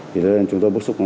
thì nên chúng tôi bức xúc